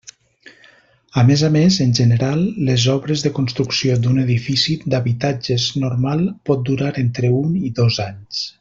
A més a més, en general, les obres de construcció d'un edifici d'habitatges normal pot durar entre un i dos anys.